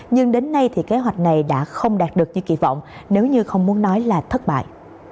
nhưng đến nay thì kế hoạch này đã không đạt được như kỳ vọng nếu như không muốn nói là thất bại